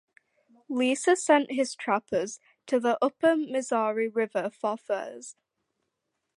Lisa sent his trappers to the upper Missouri River for furs.